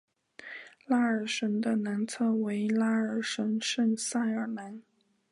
拉尔什的南侧为拉尔什圣塞尔南。